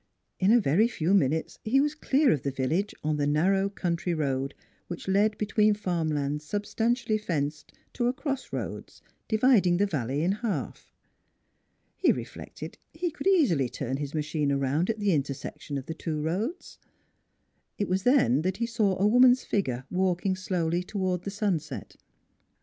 In a very few minutes he was clear of the village on the narrow country road, which led between farm lands substantially fenced to a cross roads, dividing the valley in half. He re flected that he could easily turn his machine around at the intersection of the two roads. It was then that he saw a woman's figure walking slowly toward the sunset.